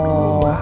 tentang itu mah